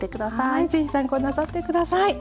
はい是非参考になさって下さい。